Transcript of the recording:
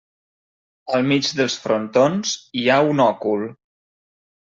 Al mig dels frontons hi ha un òcul.